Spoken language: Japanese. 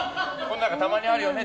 たまにあるよね